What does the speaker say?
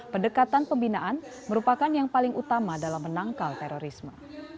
pendekatan pembinaan merupakan yang paling utama dalam menangkal terorisme